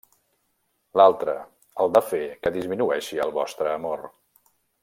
L'altre, el de fer que disminueixi el vostre amor…